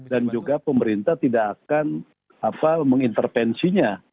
dan juga pemerintah tidak akan mengintervensinya